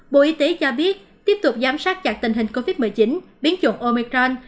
bộ y tế cho biết tiếp tục giám sát chặt tình hình covid một mươi chín biến chủng omicron